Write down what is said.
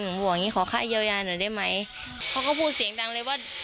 บอกอย่างงี้ขอค่าเยียวยาหน่อยได้ไหมเขาก็พูดเสียงดังเลยว่า